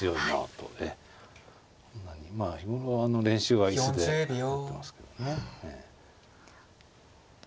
まあ日頃練習は椅子でやってますけどね。